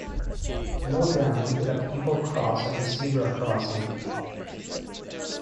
Slow down to let people cross at the zebra crossing.